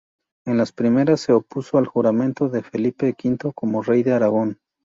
En las primeras, se opuso al juramento de Felipe V como rey de Aragón.